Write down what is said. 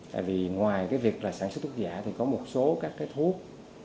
tại vì ngoài việc sản xuất thuốc dạy thì có một số các thuốc